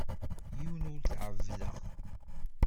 Yiwen ur t-ɛebbdeɣ.